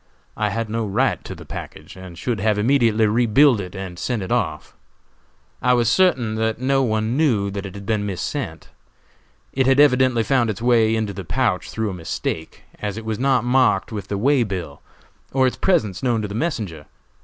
I had no right to the package, and should have immediately re billed it and sent it off. I was certain that no one knew that it had been missent. It had evidently found its way into the pouch through a mistake, as it was not marked on the way bill, or its presence known to the messenger.